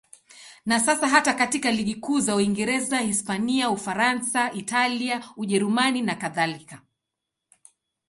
Na sasa hata katika ligi kuu za Uingereza, Hispania, Ufaransa, Italia, Ujerumani nakadhalika.